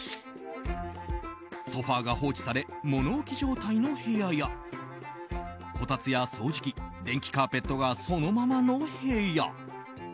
ソファが放置され物置状態の部屋やこたつや掃除機電気カーペットがそのままの部屋。